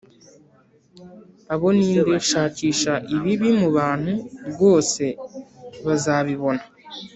abo ninde shakisha ibibi mubantu rwose bazabibona.